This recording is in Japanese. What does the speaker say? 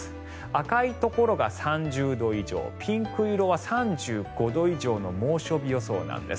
赤いところが３０度以上ピンク色は３５度以上の猛暑日予想なんです。